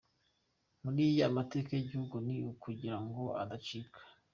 Muri ya mateka y’igihugu ni ukugira ngo ataducika.